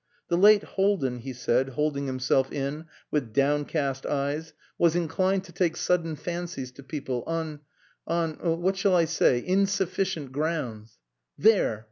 "The late Haldin," he said, holding himself in, with downcast eyes, "was inclined to take sudden fancies to people, on on what shall I say insufficient grounds." "There!"